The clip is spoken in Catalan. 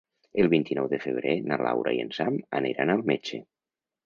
El vint-i-nou de febrer na Laura i en Sam aniran al metge.